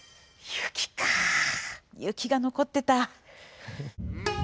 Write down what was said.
雪が残ってた。